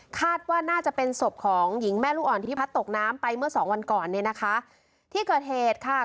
คาดว่าน่าจะเป็นศพของหญิงแม่ลูกอ่อนที่พัดตกน้ำไปเมื่อสองวันก่อนเนี่ยนะคะที่เกิดเหตุค่ะ